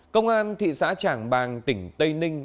công an thị xã trảng bàng tỉnh tây ninh